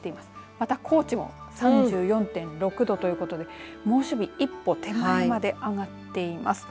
また高知も３４．６度ということで猛暑日、一歩手前まで上がっています。